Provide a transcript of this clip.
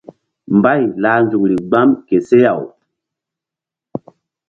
Mbay lah nzukri gbam ke seh-aw.